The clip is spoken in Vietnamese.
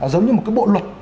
giống như một cái bộ luật